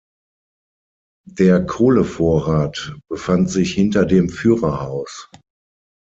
Der Kohlevorrat befand sich hinter dem Führerhaus.